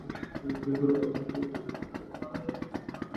দয়া করে বলবেন এটা কোন জায়গা?